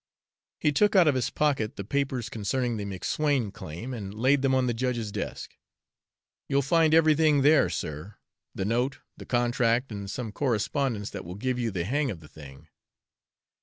He took out of his pocket the papers concerning the McSwayne claim and laid them on the judge's desk. "You'll find everything there, sir, the note, the contract, and some correspondence that will give you the hang of the thing.